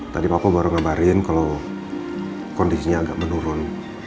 tadi papa baru ngabarin kalau kondisinya agak menurun